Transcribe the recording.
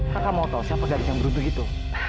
kakak mau tau siapa gadis yang beruntung itu